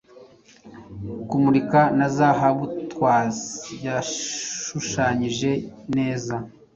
Kumurika na zahabutwas yashushanyije neza